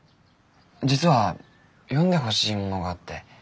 実は読んでほしいものがあって。